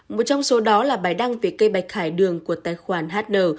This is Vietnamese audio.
một trong số đó là bài đăng về cây bạch hải đường của tài khoản hn